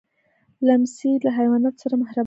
لمسی له حیواناتو سره مهربانه وي.